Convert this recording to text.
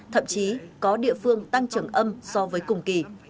thậm chí có địa phương tăng trưởng âm so với cùng kỳ